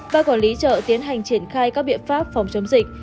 ba quản lý chợ tiến hành triển khai các biện pháp phòng chống dịch